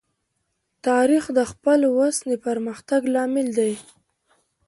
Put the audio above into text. تاریخ د خپل ولس د پرمختګ لامل دی.